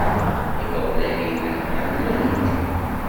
Imawlan-nnem ḥemmlen-t.